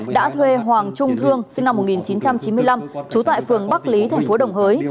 đã thuê hoàng trung thương sinh năm một nghìn chín trăm chín mươi năm trú tại phường bắc lý thành phố đồng hới